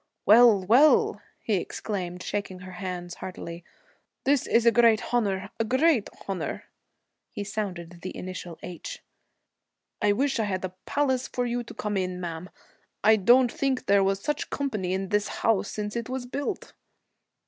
'Well, well!' he exclaimed, shaking hands heartily. 'This is a great honor a great honor.' He sounded the initial h. 'I wish I had a palace for you to come in, ma'am. I don't think there was such company in this house since it was built.'